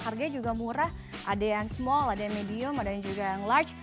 harganya juga murah ada yang small ada yang medium ada yang juga yang large